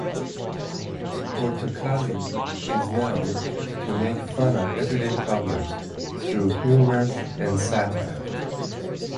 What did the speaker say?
Portokalli is known to make fun of everyday problems through humor and satire.